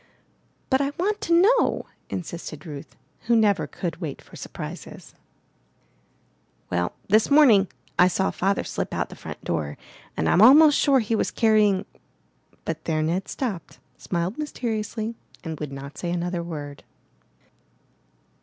"But I want to know," insisted Ruth, who never could wait for surprises. 401 MY BOOK HOUSE WeIl, this morning I saw Father slip out the front door, and Fm almost sure he was carrying —!'' But there Ned stopped, smiled mysteriously, and would not say another word.